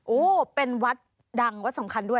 โอ้โหเป็นวัดดังวัดสำคัญด้วย